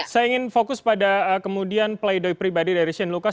saya ingin fokus pada kemudian play doh pribadi dari shane lucas